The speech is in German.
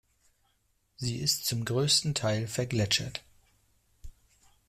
Sie ist zum größten Teil vergletschert.